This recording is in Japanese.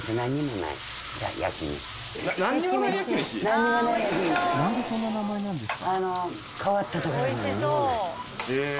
なんでそんな名前なんですか？